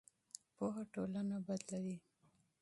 پوهه ټولنه بدلوي.